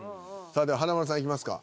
さあでは華丸さんいきますか。